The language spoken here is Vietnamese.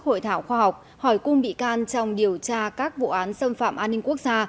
hội thảo khoa học hỏi cung bị can trong điều tra các vụ án xâm phạm an ninh quốc gia